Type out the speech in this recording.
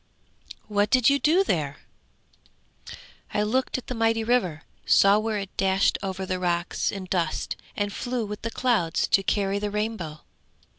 'What did you do there?' 'I looked at the mighty river, saw where it dashed over the rocks in dust and flew with the clouds to carry the rainbow.